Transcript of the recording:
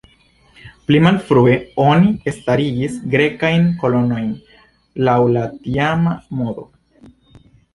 Pli malfrue, oni starigis grekajn kolonojn laŭ la tiama modo.